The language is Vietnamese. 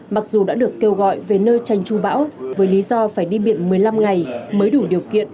mặc dù đã được kêu gọi về nơi tranh tru bão với lý do phải đi điện biển một mươi năm ngày mới đủ điều kiện